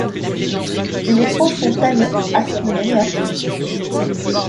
Les peaux sont tannées afin de donner un cuir.